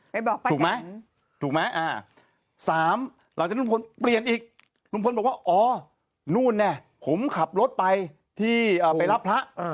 ไปบอกไปถูกไหมถูกไหมสามหลังจากลุงพลเปลี่ยนอีกลุงพลบอกว่าอ๋อนู่นเนี่ยผมขับรถไปที่ไปรับพระ